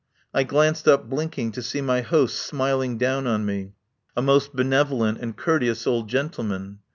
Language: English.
I glanced up blinking to see my host smiling down on me, a most benevolent and courteous old gentleman.